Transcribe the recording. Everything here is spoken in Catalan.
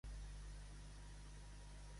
Mostra'm quin tema sona.